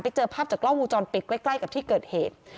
ไปเจอภาพจากกล้องวงจรปิดใกล้กับที่เกิดเหตุ